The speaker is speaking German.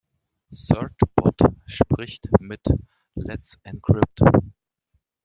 Certbot spricht mit Let's Encrypt.